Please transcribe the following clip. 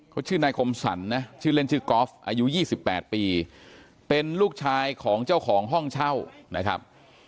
เขาชื่อนายคมสรรนะชื่อเล่นชื่อกอล์ฟอายุ๒๘ปีเป็นลูกชายของเจ้าของห้องเช่านะครับ